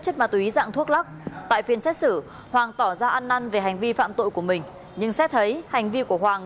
chất ma túy dạng thuốc lắc tại phiên xét xử hoàng tỏ ra ăn năn về hành vi phạm tội của mình nhưng xét thấy hành vi của hoàng